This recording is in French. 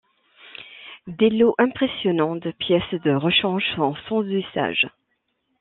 Des lots impressionnants de pièces de rechanges sont sans usages.